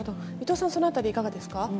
伊藤さん、そのあたりいかがですか。